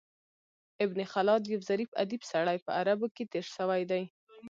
ابن خلاد یو ظریف ادیب سړی په عربو کښي تېر سوى دﺉ.